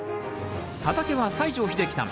畑は西城秀樹さん